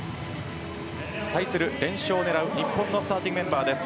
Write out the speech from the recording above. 対する連勝を狙う日本のスターティングメンバーです。